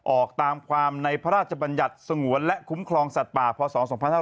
ออกตามความในพระราชบัญญัติสงวนและคุ้มครองสัตว์ป่าพศ๒๕๕๙